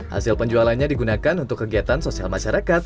hasil penjualannya digunakan untuk kegiatan sosial masyarakat